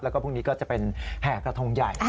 แล้วก็พรุ่งนี้ก็จะเป็นแห่กระทงใหญ่